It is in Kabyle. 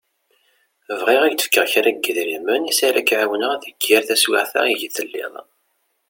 Bɣiɣ ad k-d-fkeɣ kra n yedrimen iss ara k-εiwneɣ deg yir taswiεt-a ideg telliḍ.